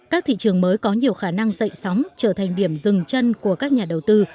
các thị trường mới có nhiều khả năng dậy sóng trở thành điểm dừng chân của các nhà đầu tư